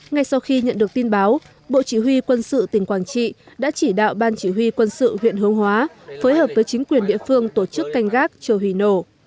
ngay sau khi nhận được tin báo bộ chỉ huy quân sự tỉnh quảng trị đã chỉ đạo ban chỉ huy quân sự huyện hướng hóa phối hợp với chính quyền địa phương tổ chức canh gác chờ hủy nổ